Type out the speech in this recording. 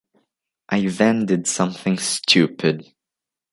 I then did something stupid.